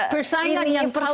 persaingan yang paling